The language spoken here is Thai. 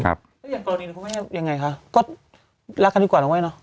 ข้อมูลเดียวก็ว่าอย่างไรคะก็รักกันดีกว่าดังไหวน่ะ